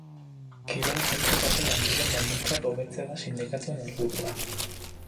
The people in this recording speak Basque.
Kirol zentroetako langileen baldintzak hobetzea da sindikatuen helburua.